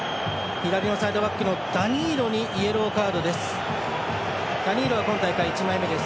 左のサイドバックのダニーロにイエローカードです。